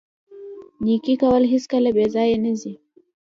نیکي کول هیڅکله بې ځایه نه ځي.